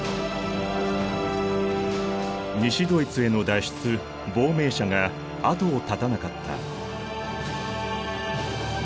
西ドイツへの脱出・亡命者が後を絶たなかった。